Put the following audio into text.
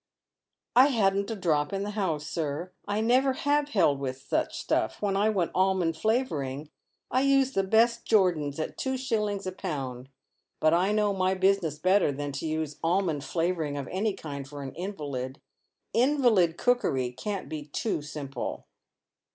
*" I hadn't a drop in the house, sir. I never have held with such stuff. When I want almond flavouring I use the best Jordans at two shillings a pound, but I know my busmess better than to use almond flavouring of any kind for an invalid, invalid cookery can't be too simple."